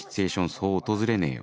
そう訪れねえよ